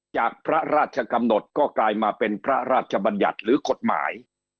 จากพระราชกำหนดก็กลายมาเป็นพระราชบัญญัติหรือกฎหมาย